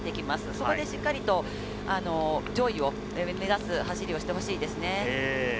そこでしっかりと上位を目指す走りをしてほしいですね。